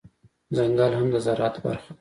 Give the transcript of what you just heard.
ځنګل هم د زرعت برخه ده